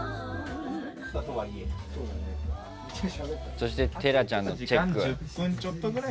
そして寺ちゃんのチェック。